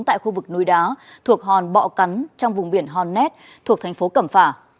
tại khu vực núi đá thuộc hòn bọ cắn trong vùng biển hòn nét thuộc thành phố cẩm phả